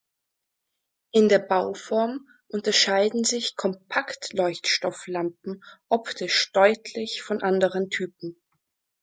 In der Bauform unterscheiden sich Kompaktleuchtstofflampen optisch deutlich von anderen Typen.